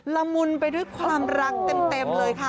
ละมุนไปด้วยความรักเต็มเลยค่ะ